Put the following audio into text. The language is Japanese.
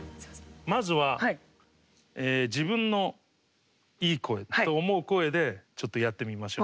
まずは自分のいい声と思う声でちょっとやってみましょう。